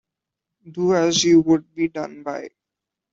Do as you would be done by.